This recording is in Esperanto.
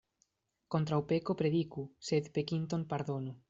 Kontraŭ peko prediku, sed pekinton pardonu.